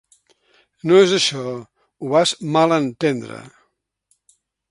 No és això: ho vas malentendre.